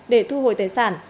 để thu hồi tài sản